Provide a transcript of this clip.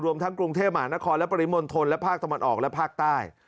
ทั้งกรุงเทพมหานครและปริมณฑลและภาคตะวันออกและภาคใต้